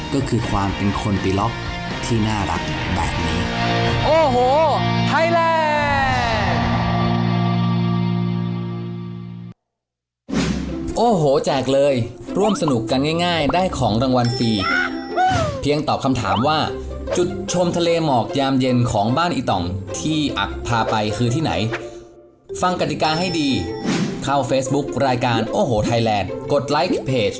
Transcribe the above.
ก็คือความเป็นคนตีล็อกที่น่ารักแบบนี้